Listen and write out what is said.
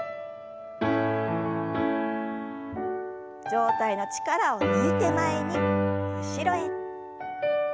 上体の力を抜いて前に後ろへ。